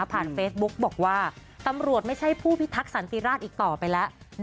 เฟซบุ๊กบอกว่าตำรวจไม่ใช่ผู้พิทักษันติราชอีกต่อไปแล้ว